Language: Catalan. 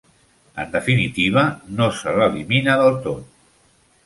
En definitiva, no se l'elimina del tot.